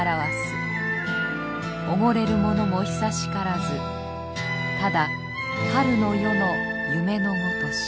おごれる者も久しからずただ春の夜の夢のごとし。